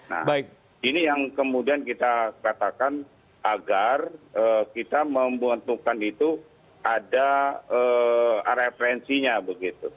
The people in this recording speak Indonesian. nah ini yang kemudian kita katakan agar kita membentukkan itu ada referensinya begitu